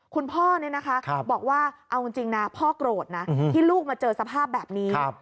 คุณพ่อบอกว่าเอาจริงนะพ่อโกรธนะที่ลูกมาเจอสภาพแบบนี้